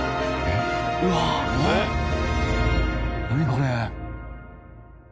これ。